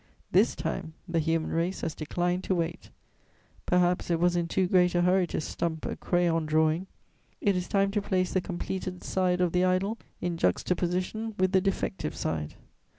This time, the human race has declined to wait: perhaps it was in too great a hurry to stump a crayon drawing. It is time to place the completed side of the idol in juxtaposition with the defective side.